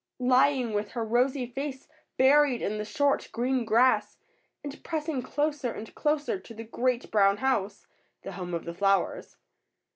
lying with her rosy face buried in the short, green grass, and pressing closer and closer to the ^^great brown house, the home of the flowers.